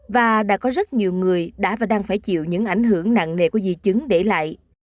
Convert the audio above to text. và đã có rất nhiều người đã và đang phải chịu những ảnh hưởng nặng nề của di chứng để lại